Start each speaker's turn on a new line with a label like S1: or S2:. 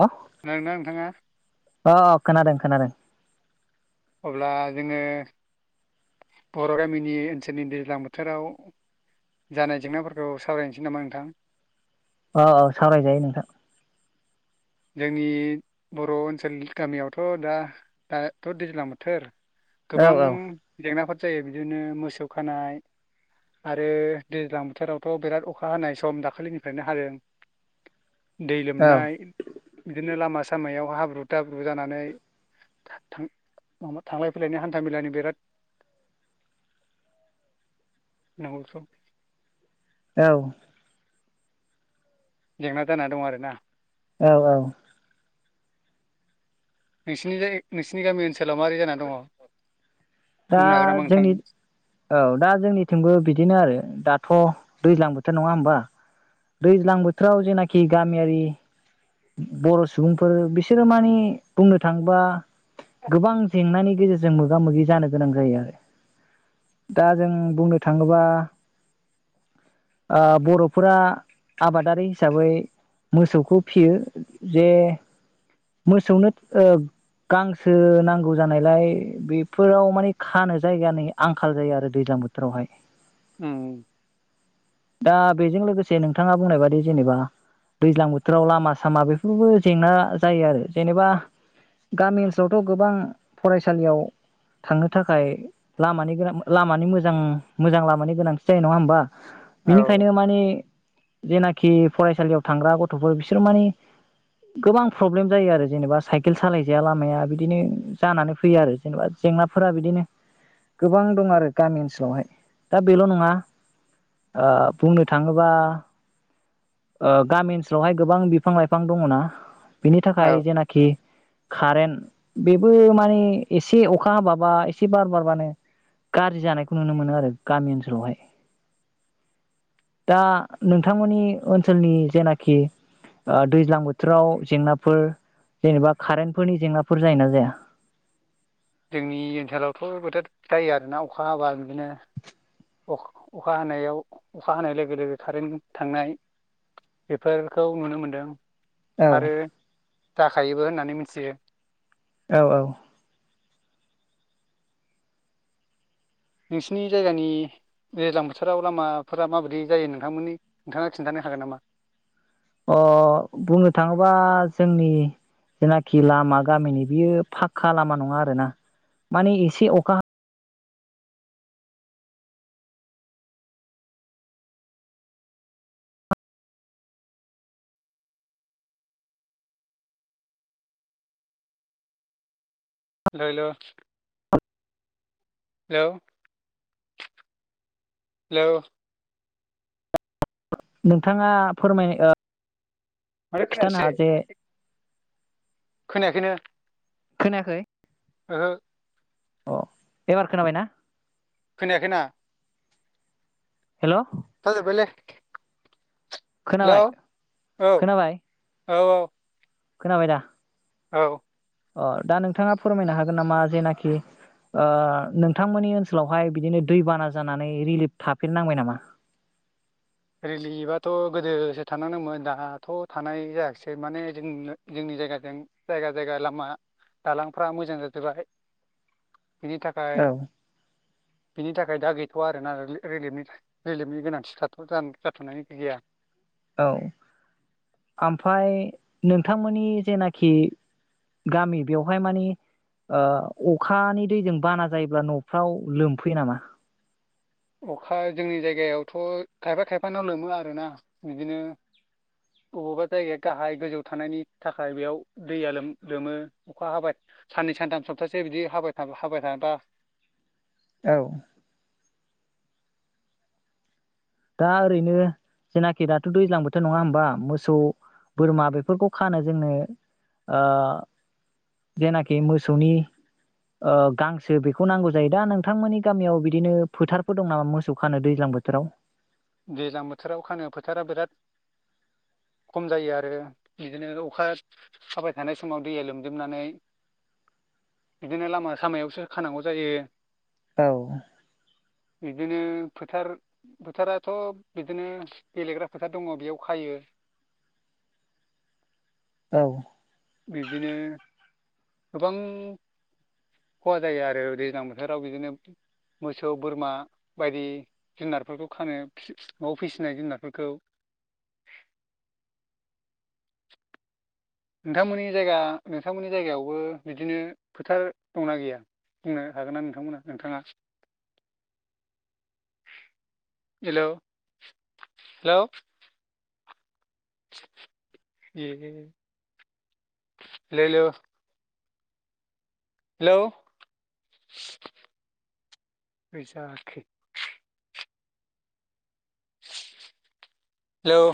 S1: ह
S2: खोनादोंना नोंथाङा
S1: अ अ खोनादों खोनादों
S2: अब्ला जोङो बर' गामिनि ओनसोलनि दैज्लां बोथोराव जानाय जेंनाफोरखौ सावरायनोसै नामा नोंथां।
S1: औ औ सावरायजायो नोंथां।
S2: जोंनि बर' ओनसोल गामियावथ' दा दाथ' दैज्लां बोथोर
S1: औ
S2: गोबां जेंनाफोर जायो बिदिनो मोसौ खानाय आरो दैज्लां बोथोरावथ' बिराद अखा हानाय सम दाखालिनिफ्रायनो हादों। दै लोमनाय
S1: औ
S2: बिदिनो लामा सामायाव हाब्रु थाब्रु जानानै थां-थां-माबा-थांलाय फैलायनि हान्थ मेलानि बिराद नंगौथ'
S1: औ
S2: जेंना जाना दं आरोना।
S1: औ औ
S2: नोंसिनि जाय नोंसिनि गामि ओनसोलाव मारै जानानै दङ।
S1: दा
S2: बुंनो हागोन नामा नोंथां
S1: जोंनि औ दा जोंनिथिंबो बिदिनो आरो दा थ' दैज्लां बोथोर नङा होमबा दैज्लां बोथोराव जेनाखि गामियारि बर' सुबुंफोर बिसोरो माने बुंनो थाङोबा गोबां जेंनानि गेजेरजों मोगा मोगि जानो गोनां जायो आरो दा जों बुंनो थाङोबा ओ बर'फोरा आबादारि हिसाबै मोसौखौ फियो जे मोसौनो ओ गांसो नांगौ जानायलाय बेफोराव माने खानो जायगानि आंखाल जायो आरो दैज्लां बोथोरावहाय।
S2: उ
S1: दा बेजों लोगोसे नोंथाङा बुंनाय बादि जेनेबा दैज्लां बो थोराव लामा सामा बेफोरबो जेंना जायो आरो जेनेबा गामि ओनसोलावथ' गोबां फरायसालियाव थांनो थाखाय लामानि गोनां लामानि मोजां मोजां लामानि गोनांथि जायो नङा होमबा।
S2: औ
S1: बिनिखायनो माने जेनाखि फरायसालियाव थांग्रा ग थ'फोर बिसोर मानि गोबां प्रब्लेम जायो आरो जेनेबा साइकेल सालायजाया लामाया बिदिनो जानानै फैयो आरो जेनेबा जेंनाफोरा बिदिनो गोबां दं आरो गामि ओनसोलावहाय। दा बेल' नङा ओ बुंनो थाङोबा ओ गामि ओनसो लावहाय गोबां बिफां लाइफां दङना। बिनि
S2: औ
S1: थाखाय जेनाखि कारेन्ट बेबो माने एसे अखा हाबाबा एसे बार बारबानो गाज्रि जानायखौ नुनो मोनो आरो गामि ओनसोलावहाय दा नोंथांमोननि ओनसोलनि जेना खि ओ दैज्लां बोथोराव जेंनाफोर जेनेबा कारेन्टफोरनि जेंनाफोर जायोना जाया?
S2: जोंनि ओनसोलावथ' बोथोर जायो आरोना अखा हाबा बिदिनो अख-अखा हानायाव अखा हानाय लोगो लोगो कारेन्ट थांनाय बेफोरखौ नुनो मोनदों।
S1: औ
S2: आरो जाखायो बो होननानै मिथियो।
S1: औ औ।
S2: नोंसिनि जायगानि दैज्लां बोथोराव लामाफोरा माबोरै जायो नोंथांमोननि नोंथाङा खिन्थानो हागोन नामा?
S1: अ बुंनो थाङोबा जोंनि जेनाखि लामा गामिनि बियो फाखका लामा नङा आरोना। माने एसे अखा हा
S2: हेल' हेल' हेल' हेलौ।
S1: नोंथाङा फोरमाय ओ
S2: माथो
S1: खिथानो
S2: खोनायासै
S1: हा जे
S2: खोनायाखैनो
S1: खोनायाखै?
S2: ओहो।
S1: अ एबार खोनाबायना?
S2: खोनायाखैना
S1: हेल'
S2: थाजोबायलै
S1: खोनाबाय खोनाबाय?
S2: औ औ
S1: खोनाबाय दा?
S2: औ
S1: अ दा नोंथाङा फोरमायनो हागोन नामा जेनाखि ओ नोंथांमोननि ओनसोलावहाय बिदिनो दै बाना जानानै रिलिफ थाफेरनांबाय नामा?
S2: रिलिबाथ' गोदोसो थानांदोंमोन दाथ' थानाय जायाखिसै माने जों जोंनि जायगाजों जायगा जायगा लामा दालांफ्रा मोजां जाजोबबाय। बिनि थाखाय
S1: औ
S2: बिनि थाखाय दा गैथवा आरोना रिलि-रिलिफनि रिलिफनि गोनांथि थाथ जाथनाय गैया।
S1: औ आमफाय नोंथांमोननि जेनाखि गामि बेवहाय मानि ओ अखानि दैजों बाना जायोब्ला नफ्राव लोमफैयो नामा?
S2: अखा जोंनि जायगायावथ' खायफा खायफानाव लोमो आरोना। बिदिनो अबावबा जायगाया गाहाय गोजौ थानायनि थाखाय बेयाव दैया लोम-लोमो अखा हाबाय साननै सानथाम सप्तासे बिदि हाबाय थाबा हाबाय थाबा।
S1: औ दा ओरैनो जेनाखि दाथ' दैज्लां बोथोर नङा होमबा। मोसौ बोरमा बेफोरखौ खानो जोंनो ओ जेनाखि मोसौनि ओ गांसो बेखौ नांगौ जायो। दा नोंथांमोननि गामियाव बिदिनो फोथारफोर दं नामा मोसौ खानो दैज्लां बोथोराव?
S2: दैज्लां बोथोराव खानो फोथारा बिराद खम जायो आरो बिदिनो अखा हाबाय थानाय समाव दैया लोमजोबनानै बिदिनो लामा सामायावसो खानांगौ जायो।
S1: औ
S2: बिब्दिनो फोथार फोथारा सब बिदिनो गेलेग्रा फोथार दङ बेयाव खायो।
S1: औ।
S2: बिदिनो गोबां खहा जायो आरो दैज्लां बोथोराव बिदिनो मोसौ बोरमा बायदि जुनारफोरखौ खानो फिसि फि न'आव फिसिनाय जुनारफोरखौ नोंथांमोननि जायगा नोंथांमोननि जायगायावबो बिदिनो फोथार दंना गैया बुंनो हागोन ना नोंथांमोना नोंथाङा? हेलौ हेलौ एये हेल' हेल'। हेलौ‌ [inaudible] बोरै जाखो। हेलौ।